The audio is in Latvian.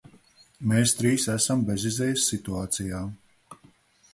Mēs trīs esam bezizejas situācijā.